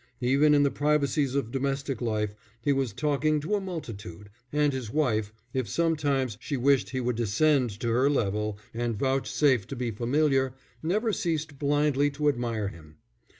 Even in the privacies of domestic life he was talking to a multitude; and his wife, if sometimes she wished he would descend to her level and vouchsafe to be familiar, never ceased blindly to admire him.